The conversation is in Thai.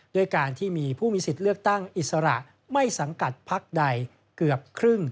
ด้วยการที่มีผู้มีสิทธิ์เลือกตั้งอิสระไม่สังกัดพักใดเกือบครึ่ง